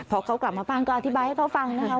พอเขากลับมาบ้านก็อธิบายให้เขาฟังนะครับ